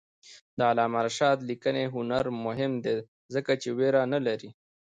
د علامه رشاد لیکنی هنر مهم دی ځکه چې ویره نه لري.